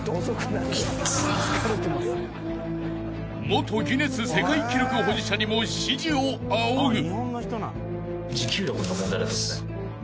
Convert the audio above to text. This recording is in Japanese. ［元ギネス世界記録保持者にも指示を仰ぐ］